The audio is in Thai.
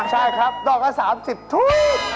ใช่ครับดอกละ๓๐ธุรกิษ